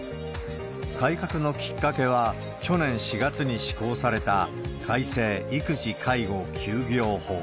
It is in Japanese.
改革のきっかけは、去年４月に施行された改正育児・介護休業法。